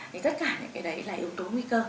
thì tất cả những cái đấy là yếu tố nguy cơ